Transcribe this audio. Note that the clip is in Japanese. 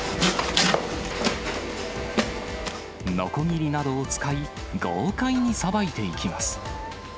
のこぎりなどを使い、豪快にさばいていきます。